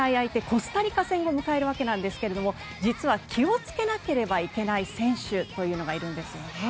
コスタリカ戦を迎えるわけなんですけども実は気をつけなければいけない選手というのがいるんですね。